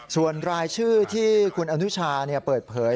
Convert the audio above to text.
ส่วนรายชื่อที่คุณอนุชาเปิดเผย